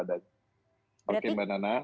adanya oke mbak nana